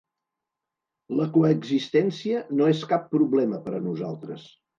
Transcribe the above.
La coexistència no és cap problema per a nosaltres.